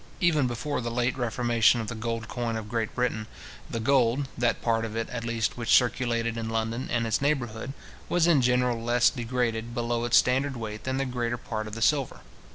Even before the late reformation of the gold coin of Great Britain, the gold, that part of it at least which circulated in London and its neighbourhood, was in general less degraded below its standard weight than the greater part of the silver.